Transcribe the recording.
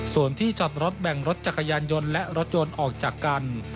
ส่วนที่จอดรถแบ่งรถจักรยานยนต์และรถยนต์ออกจากกัน